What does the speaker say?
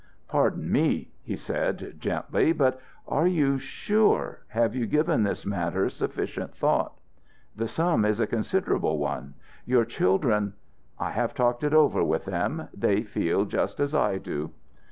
"Pardon me," he said, gently, "but are you sure have you given this matter sufficient thought? The sum is a considerable one. Your children " "I have talked it over with them. They feel just as I do."